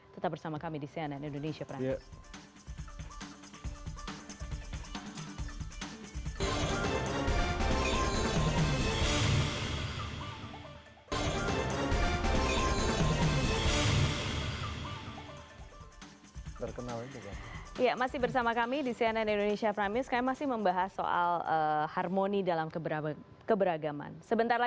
tetap bersama kami di cnn indonesia